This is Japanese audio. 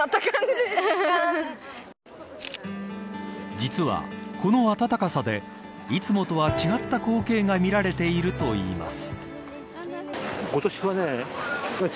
実は、この暖かさでいつもとは違った光景が見られているといいます。